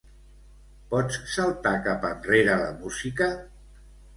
Pots saltar cap enrere la música?